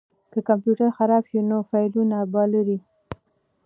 که کمپیوټر خراب شي نو فایلونه به لرئ.